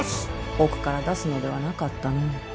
奥から出すのではなかったの。